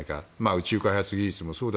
宇宙開発技術もそう